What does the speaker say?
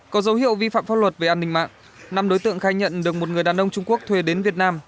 có dấu hiệu vi phạm pháp luật về an ninh mạng năm đối tượng khai nhận được một người đàn ông trung quốc thuê đến việt nam